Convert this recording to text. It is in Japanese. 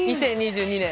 ２０２２年。